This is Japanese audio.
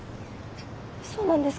そうなんですか。